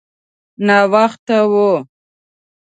ناوخته و.